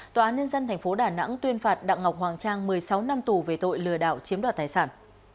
tòa án nhân dân tp đà nẵng tuyên phạt đặng ngọc hoàng trang một mươi sáu năm tù về tội lừa đảo chiếm đoạt tài sản